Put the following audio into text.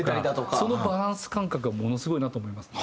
そのバランス感覚はものすごいなと思いますね。